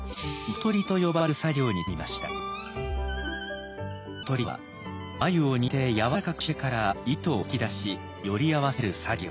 糸とりとは繭を煮てやわらかくしてから糸を引き出し撚り合わせる作業。